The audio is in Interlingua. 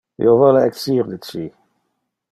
Io vole exir de ci!